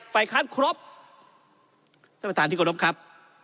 ใฝ่คาดครับท่านประธานที่กดบครับ